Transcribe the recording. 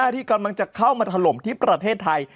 ที่กำลังจะเข้ามาถล่มที่ประเทศไทย